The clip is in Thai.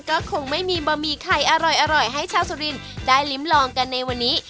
ก็คงไม่มีบะหมี่ไข่อร่อยให้ชาวสุรินทร์ได้ลิ้มลองกันในวันนี้